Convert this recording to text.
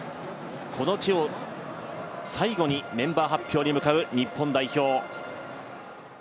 この地を最後にメンバー発表に向かう日本代表。